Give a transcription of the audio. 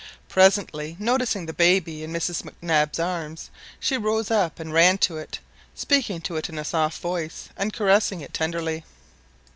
Presently noticing the baby in Mrs Mac Nabs arms; she rose and ran up to it, speaking to it in a soft voice, and caressing it tenderly.